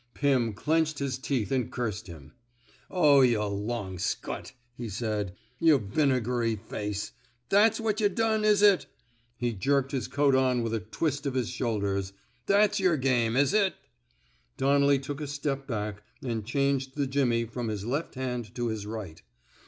" Pim clenched his teeth and cursed him. Oh, yuh long scut," he said. Yuh vine gary face. That's what yuh done, is it? " He jerked his coat on with a twist of his shoulders. ^'That's yer game, is it? " Donnelly took a step back, and changed the 91 n THE SMOKE EATERS jimmy from his left hand to his right.